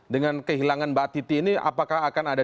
dengan kehilangan mbak titi ini apakah akan ada